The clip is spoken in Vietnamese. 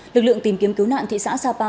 lực lượng tìm kiếm cứu nạn thị xã sapa